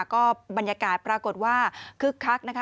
ก็บรรยากาศปรากฏว่าคึกคักนะคะ